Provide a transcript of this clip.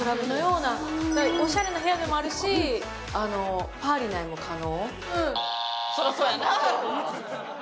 おしゃれな部屋でもあるし、パーティーナイトも可能？